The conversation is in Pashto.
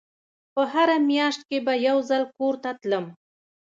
په هره مياشت کښې به يو ځل کور ته تلم.